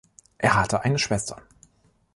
Er hatte eine Schwester.